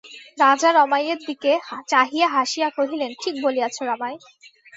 রাজা রমাইয়ের দিকে চাহিয়া হাসিয়া কহিলেন, ঠিক বলিয়াছ রমাই।